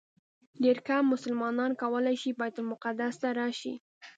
ډېر کم مسلمانان کولی شي بیت المقدس ته راشي.